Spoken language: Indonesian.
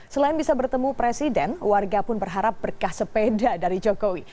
selain bisa bertemu presiden warga pun berharap berkah sepeda dari jokowi